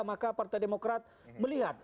maka partai demokrat melihat